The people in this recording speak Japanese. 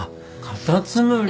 カタツムリ！